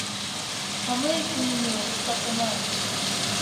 寒い国にはいきたくない